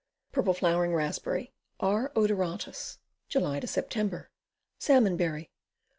Purple flowering Raspberry. R. odoratus. July Sep. Salmon berry.